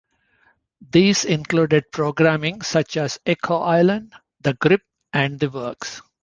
These included programming such as "Echo Island", "The Grip" and "The Works".